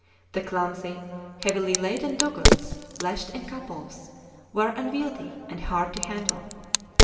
The clumsy, heavily laden dugouts, lashed in couples, were unwieldy and hard to handle.